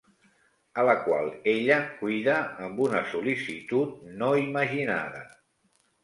A la qual ella cuida amb una sol·licitud no imaginada.